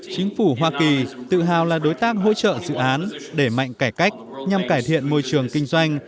chính phủ hoa kỳ tự hào là đối tác hỗ trợ dự án để mạnh cải cách nhằm cải thiện môi trường kinh doanh